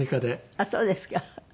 あっそうですか。